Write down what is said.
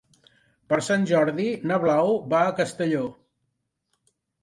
Per Sant Jordi na Blau va a Castelló.